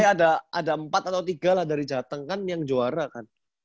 ya ada empat atau tiga lah dari jateng kan yang juara kan